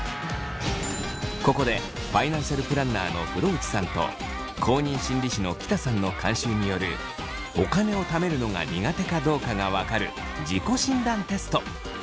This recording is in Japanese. ここでファイナンシャルプランナーの風呂内さんと公認心理師の喜田さんの監修によるお金をためるのが苦手かどうかが分かる自己診断テスト。